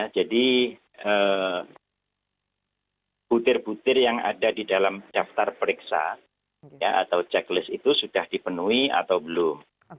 jadi putir putir yang ada di dalam daftar periksa atau checklist itu sudah dipenuhi atau belum